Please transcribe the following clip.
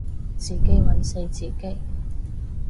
自己玩死自己